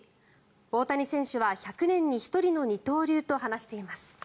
大谷選手は１００年に１人の二刀流と話しています。